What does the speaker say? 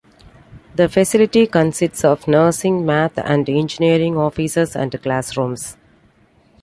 The facility consists of nursing, math and engineering offices and classrooms.